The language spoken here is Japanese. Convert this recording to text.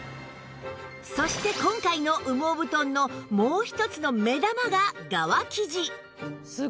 そして今回の羽毛布団のもう一つの目玉が側生地